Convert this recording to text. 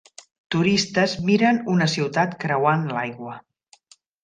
Turistes miren una ciutat creuant l'aigua.